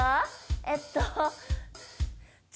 えっと爪。